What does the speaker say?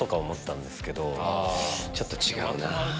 ちょっと違うな。